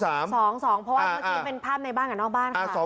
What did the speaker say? ๒เพราะว่ามันเป็นภาพในบ้างกับนอกบ้านครับ